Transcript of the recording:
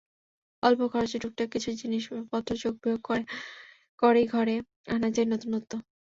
অল্প খরচে টুকটাক কিছু জিনিসপত্র যোগ-বিয়োগ করেই ঘরে আনা যায় নতুনত্ব।